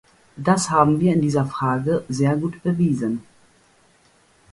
Das haben wir in dieser Frage sehr gut bewiesen.